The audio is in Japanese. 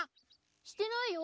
してないよ。